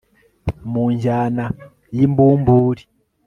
mu njyana y'imbumbuli